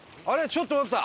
ちょっと待った！